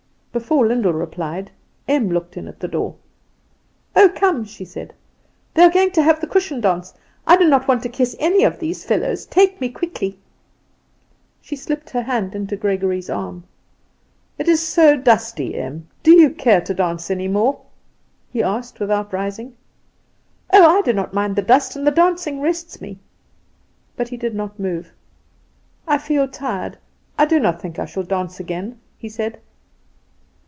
Before Lyndall replied Em looked in at the door. "Oh, come," she said; "they are going to have the cushion dance. I do not want to kiss any of these fellows. Take me quickly." She slipped her hand into Gregory's arm. "It is so dusty, Em; do you care to dance any more?" he asked, without rising. "Oh, I do not mind the dust, and the dancing rests me." But he did not move. "I feel tired; I do not think I shall dance again," he said.